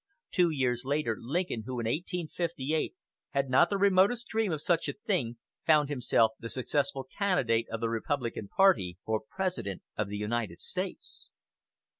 Two years later, Lincoln, who in 1858 had not the remotest dream of such a thing, found himself the successful candidate of the Republican party for President of the United States.